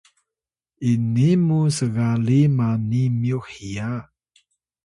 ini muw sgaliy mani myux hiya